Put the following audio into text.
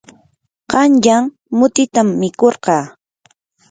qanyan mutitam mikurqaa.